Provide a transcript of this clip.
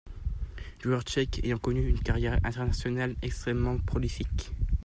Joueur tchèque ayant connu une carrière internationale extrêmement prolifique.